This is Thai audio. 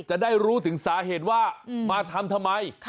จะได้รู้ถึงสาเหตุว่ามาทำทำไม